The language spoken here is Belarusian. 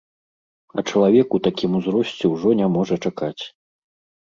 А чалавек у такім узросце ўжо не можа чакаць.